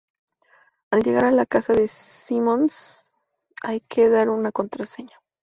Al llegar a la casa de Simons, hay que dar una contraseña.